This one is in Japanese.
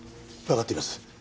わかっています。